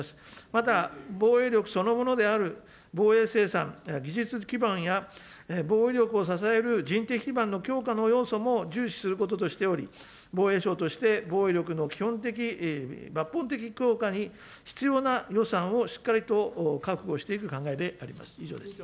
また防衛力そのものである防衛生産技術基盤や、防衛力を支える人的基盤の要素を重視することとしており、防衛省として防衛力の基本的、抜本的強化に必要な予算をしっかりと確保していく考えであります。